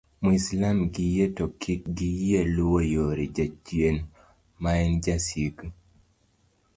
mwislam gi yie to kik giyie luwo yore jachien maen jasigu